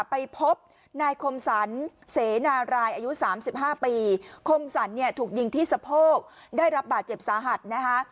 ไปพบนายคมสรรเสนารายอายุ๓๕ปีคมสรรเนี่ยถูกยิงที่สะโพกได้รับบาดเจ็บสาหัสนะคะ